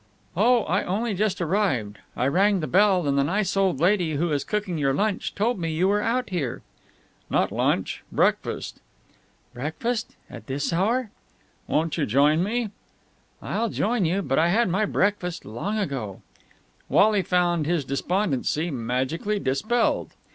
"Oh, I only just arrived. I rang the bell, and the nice old lady who is cooking your lunch told me you were out here.' "Not lunch. Breakfast." "Breakfast! At this hour?" "Won't you join me?" "I'll join you. But I had my breakfast long ago." Wally found his despondency magically dispelled.